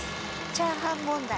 チャーハン問題。